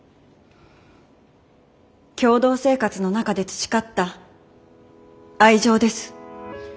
共同生活の中で培った愛情です。